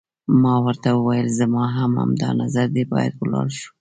ما ورته وویل: زما هم همدا نظر دی، باید ولاړ شو.